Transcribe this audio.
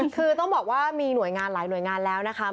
คือต้องบอกว่ามีหน่วยงานหลายหน่วยงานแล้วนะคะ